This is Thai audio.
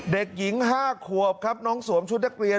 เด็กหญิง๕ขวบครับน้องสวมชุดนักเรียน